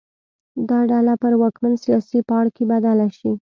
دا ډله پر واکمن سیاسي پاړکي بدله شي.